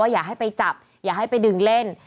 อย่าให้ไปจับอย่าให้ไปดึงเล่น